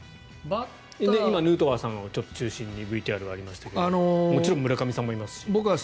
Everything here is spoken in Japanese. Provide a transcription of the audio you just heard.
今、ヌートバーさんを中心にＶＴＲはありましたけれどもちろん村上選手もいますし。